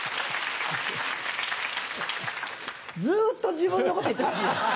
ずっと自分のこと言ってますね。